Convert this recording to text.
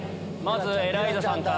まずエライザさんか？